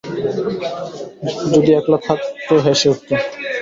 যদি একলা থাকত হেসে উঠত।